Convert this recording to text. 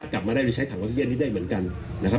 กลับมาได้ไปใช้ถังนี้ได้เหมือนกันนะครับ